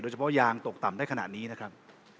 เฉพาะยางตกต่ำได้ขนาดนี้นะครับ